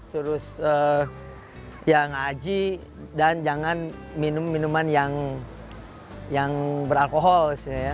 terus ngaji dan jangan minum minuman yang beralkohol